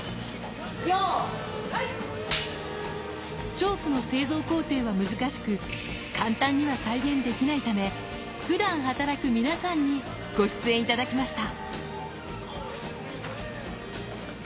チョークの製造工程は難しく、簡単には再現できないため、普段働く皆さんにご出演いただきました。